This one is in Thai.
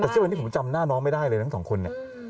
แต่เช่นวันนี้ผมจำหน้าน้องไม่ได้เลยทั้ง๒คน